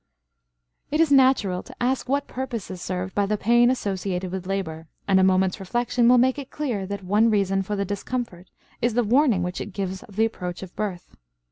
It is natural to ask what purpose is served by the pain associated with labor; and a moment's reflection will make it clear that one reason for the discomfort is the warning which it gives of the approach of birth.